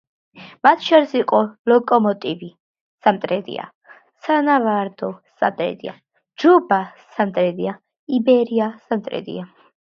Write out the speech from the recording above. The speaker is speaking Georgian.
მათ შორის იყო „ლოკომოტივი“ სამტრედია, „სანავარდო“ სამტრედია, „ჯუბა“ სამტრედია, „იბერია“ სამტრედია.